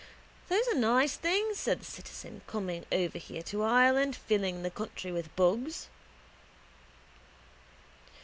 —Those are nice things, says the citizen, coming over here to Ireland filling the country with bugs.